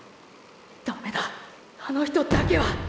ダメだあの人だけは。